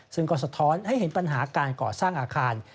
ซึ่งก็สะท้อนให้เห็นปัญหาการก่อสร้างอาคาร